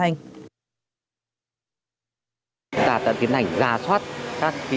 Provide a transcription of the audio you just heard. tổ công tác đã tiến hành ra soát